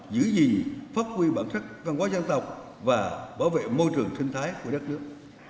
giữ gìn phát huy bản sắc văn hóa dân tộc và bảo vệ môi trường sinh thái của đất nước